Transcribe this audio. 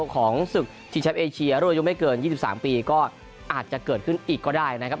ก็อาจจะเกิดขึ้นอีกก็ได้นะครับ